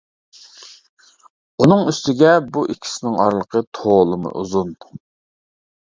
ئۇنىڭ ئۈستىگە بۇ ئىككىسىنىڭ ئارىلىقى تولىمۇ ئۇزۇن.